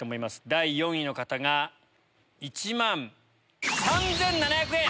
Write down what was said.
第４位の方が１万３７００円！